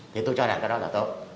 thì tôi cho rằng có đó là tốt